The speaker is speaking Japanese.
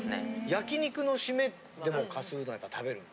焼き肉のシメでもかすうどんやっぱ食べるの？